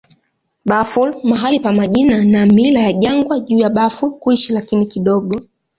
Bafur mahali pa majina na mila ya jangwa juu ya Bafur kuishi, lakini kidogo.